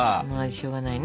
しょうがないね。